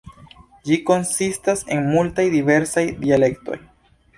Ĝi konsistas el multaj diversaj dialektoj.